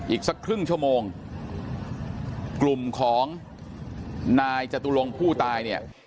อีกสักครึ่งชั่วโมงกลุ่มของนายจตุลงผู้ตายเนี่ย